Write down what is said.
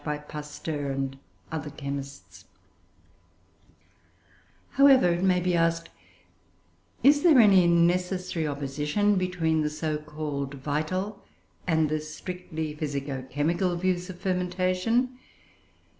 "] However, it may be asked, is there any necessary opposition between the so called "vital" and the strictly physico chemical views of fermentation?